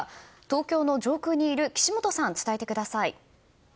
東京の上空にいる岸本さん伝えてください。